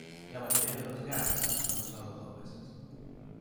La mayoría de los gags son usados dos veces.